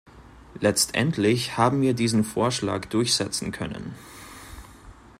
Letzendlich haben wir diesen Vorschlag durchsetzen können.